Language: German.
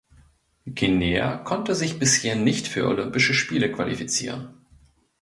Guinea konnte sich bisher nicht für Olympische Spiele qualifizieren.